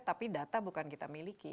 tapi data bukan kita miliki